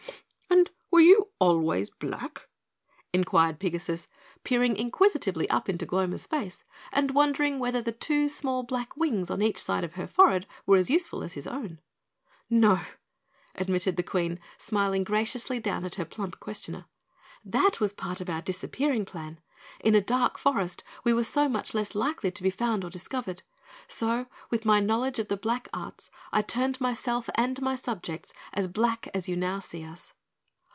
"And were you always black?" inquired Pigasus, peering inquisitively up into Gloma's face, and wondering whether the two small black wings on each side of her forehead were as useful as his own. "No," admitted the Queen, smiling graciously down at her plump questioner. "That was part of our disappearing plan, in a dark forest we were so much less likely to be found or discovered, so with my knowledge of the black arts I turned myself and my subjects as black as you now see us."